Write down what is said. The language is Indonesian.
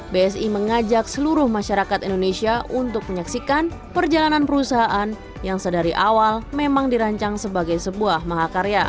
bsi mengajak seluruh masyarakat indonesia untuk menyaksikan perjalanan perusahaan yang sedari awal memang dirancang sebagai sebuah mahakarya